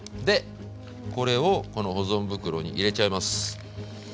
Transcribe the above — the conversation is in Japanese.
これをこの保存袋に入れちゃいます。